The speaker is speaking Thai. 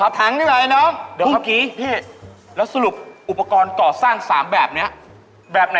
อันนี้ซาฬินซาสายได้ครับ